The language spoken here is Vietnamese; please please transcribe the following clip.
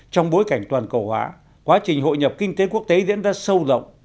trong bối cảnh toàn cầu hóa quá trình hội nhập kinh tế quốc tế diễn ra sâu rộng